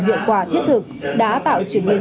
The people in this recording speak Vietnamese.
hiệu quả thiết thực đã tạo chuyển biến